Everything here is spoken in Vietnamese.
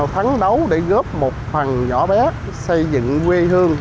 phấn đấu để góp một phần nhỏ bé xây dựng quê hương